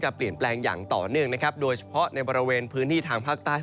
เปลี่ยนแปลงอย่างต่อเนื่องนะครับโดยเฉพาะในบริเวณพื้นที่ทางภาคใต้